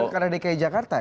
pilihan pilkara dki jakarta ya